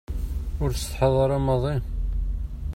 Ur tessetḥaḍ ara maḍi?